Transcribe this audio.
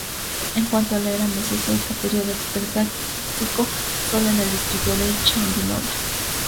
En cuanto a la Era Mesozoica, Periodo Cretácico solo en el Distrito de Changuinola.